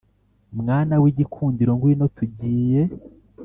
mwana w'igikundiro ngwino tugiye.